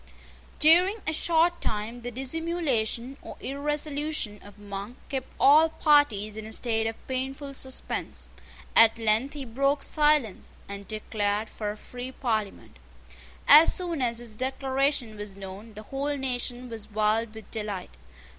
During a short time the dissimulation or irresolution of Monk kept all parties in a state of painful suspense. At length he broke silence, and declared for a free Parliament. As soon as his declaration was known, the whole nation was wild with delight.